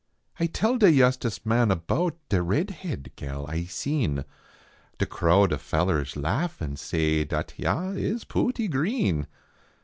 Ay tell da yustice man abote De rade head gal Ay seen ; Da krode of fallers laugh en say Dat ya is pooty green.